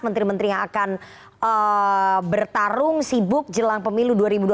menteri menteri yang akan bertarung sibuk jelang pemilu dua ribu dua puluh